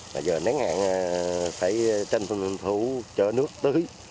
bây giờ nếu ngạn phải tranh thủ chở nước tưới